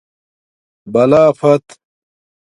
بلا فت